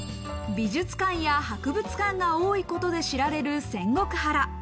美術館や博物館が多いことで知られる仙石原。